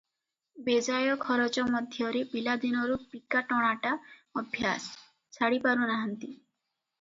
ବେଜାୟ ଖରଚ ମଧ୍ୟରେ ପିଲାଦିନରୁ ପିକା ଟଣାଟା ଅଭ୍ୟାସ, ଛାଡ଼ିପାରୁ ନାହାନ୍ତି ।